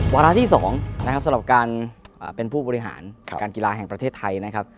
วาระที่๒นะครับสำหรับการเป็นผู้บริหารการกีฬาแห่งประเทศไทยนะครับ